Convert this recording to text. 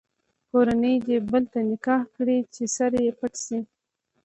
کورنۍ دې بل ته نکاح کړي چې سر یې پټ شي.